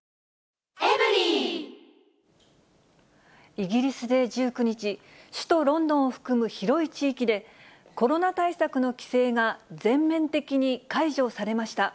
イギリスで１９日、首都ロンドンを含む広い地域で、コロナ対策の規制が全面的に解除されました。